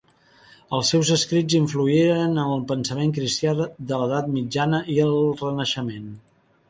Els seus escrits influïren en el pensament cristià de l'edat mitjana i el Renaixement.